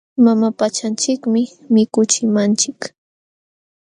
Mama pachanchikmi mikuchimanchik.